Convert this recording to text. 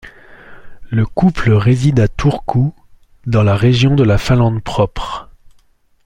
Le couple réside à Turku, dans la région de la Finlande propre.